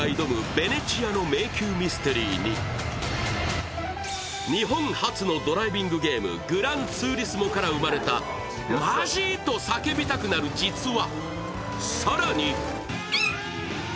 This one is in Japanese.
ベネチアの迷宮ミステリーに日本発のドライビングゲーム「グランツーリスモ」から生まれたマジー？と叫びたくなる実話。